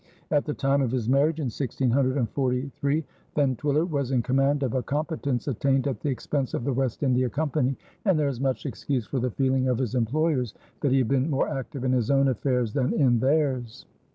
At the time of his marriage in 1643, Van Twiller was in command of a competence attained at the expense of the West India Company, and there is much excuse for the feeling of his employers that he had been more active in his own affairs than in theirs.